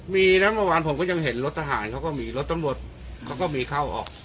มีนะเมื่อวานผมก็ยังเห็นรถทหารเขาก็มีรถตำรวจเขาก็มีเข้าออก